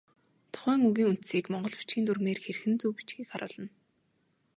Тухайн үгийн үндсийг монгол бичгийн дүрмээр хэрхэн зөв бичихийг харуулна.